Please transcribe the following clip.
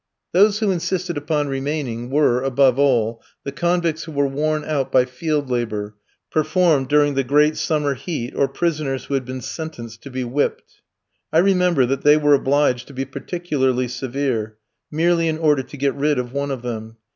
Those who insisted upon remaining, were, above all, the convicts who were worn out by field labour, performed during the great summer heat, or prisoners who had been sentenced to be whipped. I remember that they were obliged to be particularly severe, merely in order to get rid of one of them.